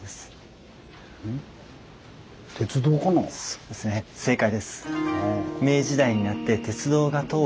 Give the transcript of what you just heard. そうですね正解です。